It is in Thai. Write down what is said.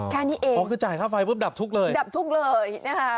แค่นี้เองอ๋อคือจ่ายค่าไฟปุ๊บดับทุกข์เลยดับทุกข์เลยนะคะ